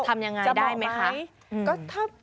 จะเหมาะไหม